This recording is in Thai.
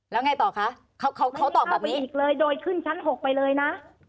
แล้วไงต่อค่ะเขาเขาเขาตอบแบบนี้เลยโดยขึ้นชั้นหกไปเลยน่ะ